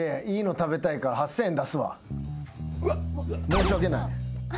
申し訳ない。